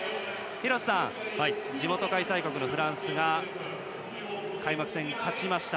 廣瀬さん、地元開催のフランスが開幕戦で勝ちました。